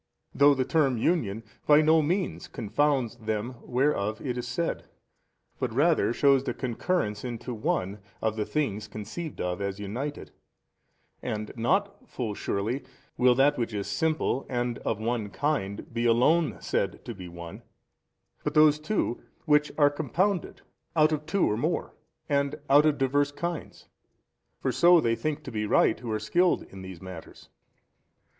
though the term union by no means confounds them whereof it is said, but rather shews the concurrence into one of the things conceived of as united: and not (full surely) will that which is simple and of one kind be alone said to be One 15, but those too which are compounded out of two or more and out of diverse kinds. For so they think to be right who are skilled in these matters.